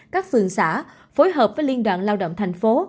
các phường xã phối hợp với liên đoàn lao động thành phố